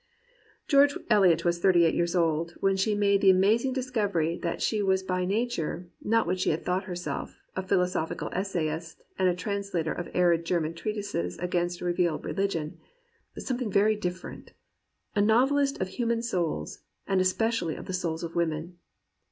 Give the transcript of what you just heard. George Eliot was thirty eight years old when she made the amazing discovery that she was by nature, not what she had thought herself, a phil osophical essayist and a translator of arid German treatises against revealed religion, but something very different — a novelist of human souls, and es pecially of the souls of women.